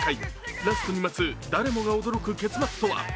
ラストに待つ誰もが驚く結末とは。